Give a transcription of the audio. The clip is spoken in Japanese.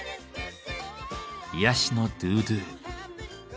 癒やしのドゥドゥ。